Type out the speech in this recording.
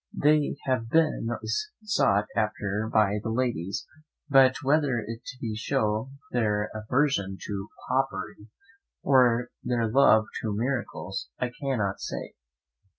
They have been always sought after by the ladies, but whether it be to show their aversion to popery, or their love to miracles, I cannot say.